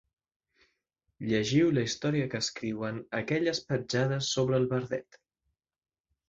Llegiu la història que escriuen aquelles petjades sobre el verdet.